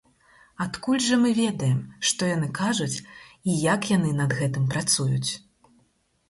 Адкуль жа мы ведаем, што яны кажуць і як яны над гэтым працуюць?